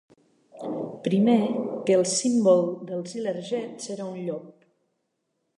Primer, que el símbol dels ilergets era un llop.